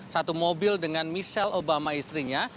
satu mobil dengan michelle obama istrinya